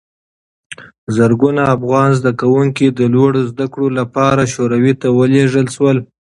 زرګونه افغان زدکوونکي د لوړو زده کړو لپاره شوروي ته ولېږل شول.